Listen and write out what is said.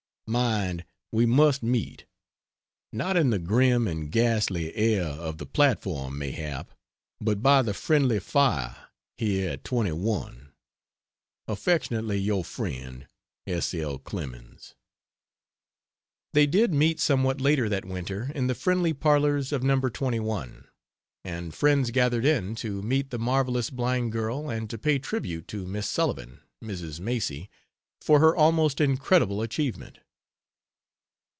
Mind, we must meet! not in the grim and ghastly air of the platform, mayhap, but by the friendly fire here at 21. Affectionately your friend, S. L. CLEMENS. They did meet somewhat later that winter in the friendly parlors of No. 21, and friends gathered in to meet the marvelous blind girl and to pay tribute to Miss Sullivan (Mrs. Macy) for her almost incredible achievement.